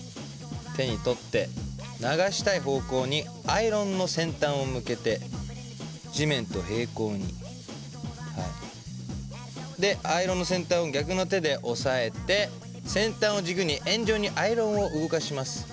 手に取って流したい方向にアイロンの先端を向けて地面と平行にアイロンの先端を逆の手で押さえて先端を軸に円状にアイロンを動かします。